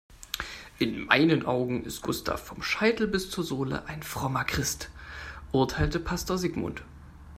In meinen Augen ist Gustav vom Scheitel bis zur Sohle ein frommer Christ, urteilte Pastor Sigmund.